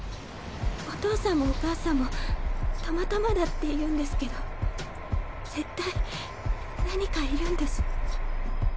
お父さんもお母さんもたまたまだって言うんですけど絶対何かいるんです。